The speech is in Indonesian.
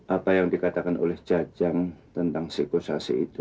apa yang dikatakan oleh jajang tentang si kusasi itu